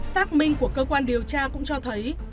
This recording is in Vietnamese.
xác minh của cơ quan điều tra cũng cho thấy